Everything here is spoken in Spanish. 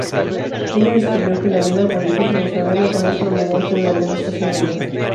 Ella descubrió que la vida aborigen tradicional era más prominente durante la estación húmeda.